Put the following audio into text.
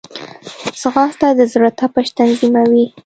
ځغاسته د زړه تپش تنظیموي